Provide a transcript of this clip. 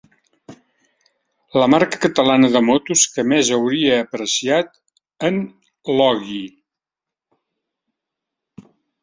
La marca catalana de motos que més hauria apreciat en Iogui.